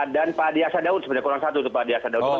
dan pak adiasa daud sebenarnya kurang satu pak adiasa daud